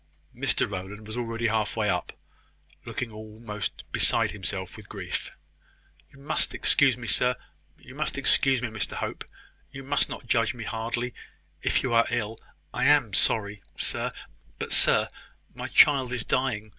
Mr Rowland was already half way up, looking almost beside himself with grief. "You must excuse me, Mr Hope you must not judge me hardly; if you are ill, I am sorry... sir; but sir, my child is dying.